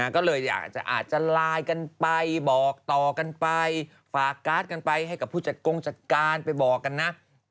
ก็เลยอยากจะอาจจะไลน์กันไปบอกต่อกันไปฝากการ์ดกันไปให้กับผู้จัดกงจัดการไปบอกกันนะ